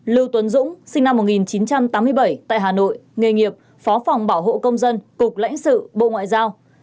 lưu tuấn dũng sinh năm một nghìn chín trăm tám mươi bảy tại hà nội nghề nghiệp phó phòng bảo hộ công dân cục lãnh sự bộ ngoại giao